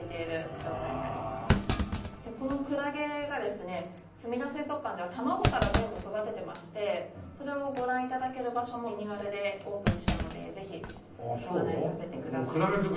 でこのクラゲがですねすみだ水族館では卵から全部育ててましてそれをご覧頂ける場所もリニューアルでオープンしたのでぜひご案内させてください。